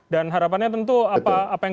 dan harapannya tentu apa yang